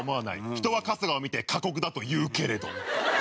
人は春日を見て過酷だと言うけれど。